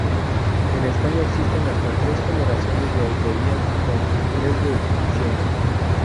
En España existen hasta tres generaciones de autovías con sus tres definiciones.